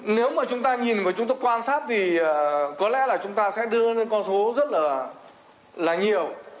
nếu mà chúng ta nhìn của chúng tôi quan sát thì có lẽ là chúng ta sẽ đưa lên con số rất là nhiều